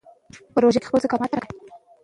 سوله د ماشومانو د خوندي راتلونکي ضمانت کوي.